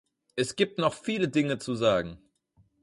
Es gibt noch viele Dinge zu sagen.